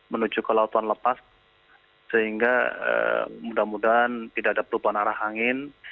menuju ke lautan lepas sehingga mudah mudahan tidak ada perubahan arah angin